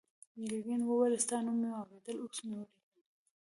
ګرګین وویل ستا نوم مې اورېدلی اوس مې ولیدې.